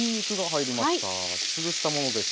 潰したものです。